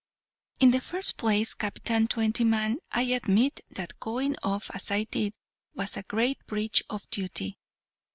"In the first place, Captain Twentyman, I admit that going off as I did was a great breach of duty.